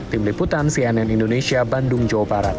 tim liputan cnn indonesia bandung jawa barat